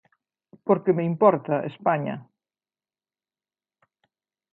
Porque me importa España.